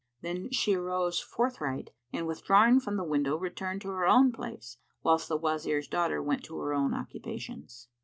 Then she arose forthright and withdrawing from the window, returned to her own place, whilst the Wazir's daughter went to her own occupations.